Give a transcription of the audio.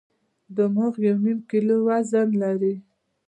دماغ یو نیم کیلو وزن لري.